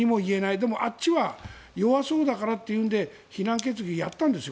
でもあっちは弱そうだからということで非難決議をやったんですよ。